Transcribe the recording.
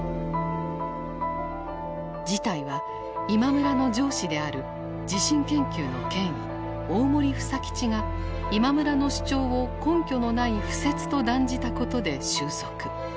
事態は今村の上司である地震研究の権威大森房吉が今村の主張を根拠のない浮説と断じたことで収束。